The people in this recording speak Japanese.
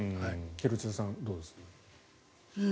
廣津留さん、どうですか。